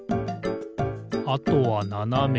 あとはななめだね。